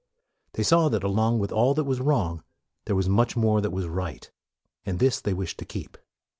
They saw that along with all that was wrong, there was much more that was right. And this they wished to keep.